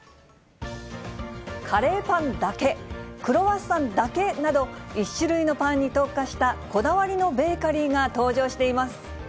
カレーパンだけ、クロワッサンだけなど、１種類のパンに特化したこだわりのベーカリーが登場しています。